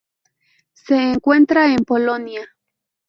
Se encuentra en Polonia.